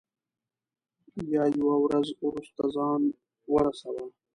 یا یوه ورځ وروسته ځان ورسوي.